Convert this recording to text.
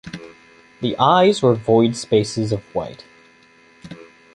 The eyes were void spaces of white.